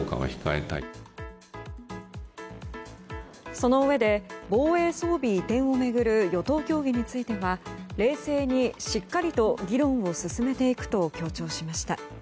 そのうえで防衛装備移転を巡る与党協議については冷静にしっかり、議論を進めていくと強調しました。